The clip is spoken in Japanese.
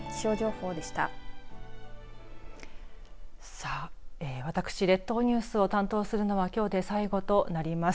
さあ私列島ニュースを担当するのはきょうで最後となります。